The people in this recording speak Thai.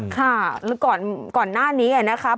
ค่ะแล้วก่อนหน้านี้ไงค่ะ